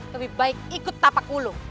lebih baik ikut tapaknya